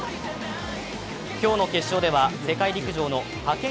今日の決勝では世界陸上の派遣